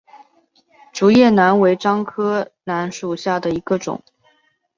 竹叶楠为樟科楠属下的一个种。